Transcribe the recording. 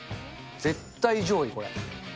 絶対上位、これ。